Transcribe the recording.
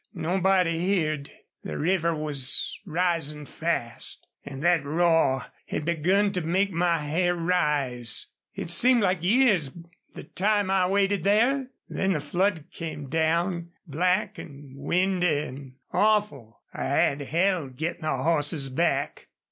Nobody heerd. The river was risin' fast. An' thet roar had begun to make my hair raise. It seemed like years the time I waited there.... Then the flood came down black an' windy an' awful. I had hell gittin' the hosses back.